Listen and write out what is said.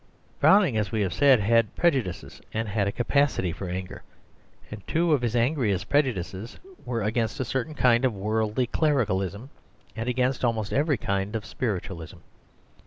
Browning, as we have said, had prejudices, and had a capacity for anger, and two of his angriest prejudices were against a certain kind of worldly clericalism, and against almost every kind of spiritualism.